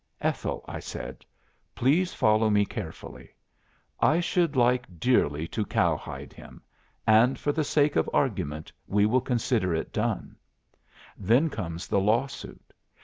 '" "'Ethel,' I said, 'please follow me carefully. I should like dearly to cowhide him. and for the sake of argument we will consider it done Then comes the lawsuit.